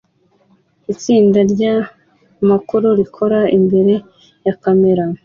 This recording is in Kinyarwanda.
Itsinda ryamakuru rikora imbere ya kamera